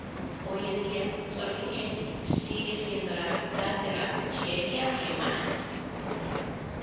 Hoy en día, Solingen sigue siendo la capital de la cuchillería alemana.